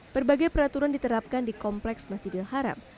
berbagai peraturan diterapkan di kompleks masjidil haram